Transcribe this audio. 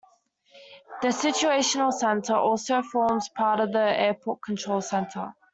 The "Situational Center" also forms part of the airport control center.